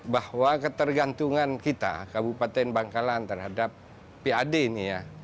bahwa ketergantungan kita kabupaten bangkalan terhadap pad ini ya